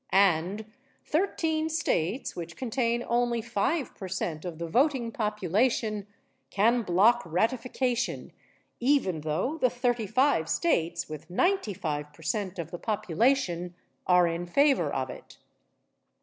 And thirteen states which contain only five percent of the voting population can block ratification even though the thirty five states with ninety five percent of the population are in favor of it.